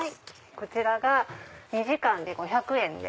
こちらが２時間で５００円。